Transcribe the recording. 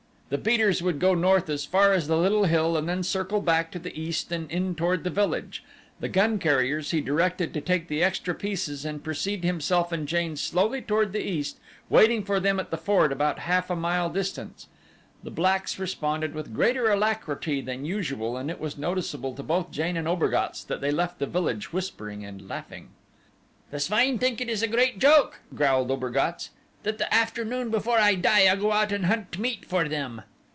The beaters would go north as far as the little hill and then circle back to the east and in toward the village. The gun carriers he directed to take the extra pieces and precede himself and Jane slowly toward the east, waiting for them at the ford about half a mile distant. The blacks responded with greater alacrity than usual and it was noticeable to both Jane and Obergatz that they left the village whispering and laughing. "The swine think it is a great joke," growled Obergatz, "that the afternoon before I die I go out and hunt meat for them."